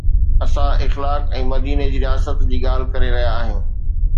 اسان اخلاق ۽ مديني جي رياست جي ڳالهه ڪري رهيا آهيون